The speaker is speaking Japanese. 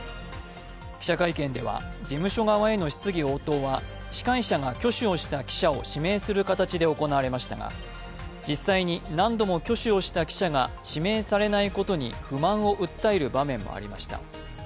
記者会見では事務所側への質疑応答は司会者が挙手をした記者を指名する形で行われましたが実際に、何度も挙手をした記者が指名されないことに不満を訴える場面もありました。